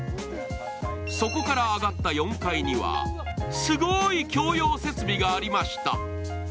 そこから上がった４回にはすごい共用設備がありました。